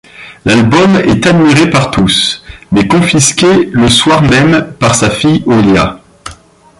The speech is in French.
L’album est admiré par tous, mais confisqué le soir même par sa fille Olia.